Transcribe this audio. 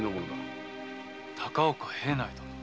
高岡平内殿。